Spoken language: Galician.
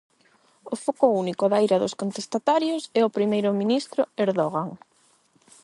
O foco único da ira dos contestatarios é o primeiro ministro Erdogan.